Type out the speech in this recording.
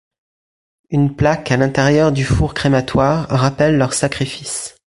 Une plaque à l’intérieur du four crématoire rappelle leur sacrifice.